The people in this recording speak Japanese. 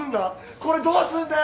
これどうすんだよ！